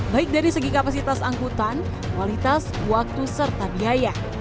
baik dari segi kapasitas angkutan kualitas waktu serta biaya